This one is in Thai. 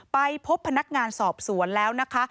ไปพบพนักงานสอบสวนแล้วนะคะ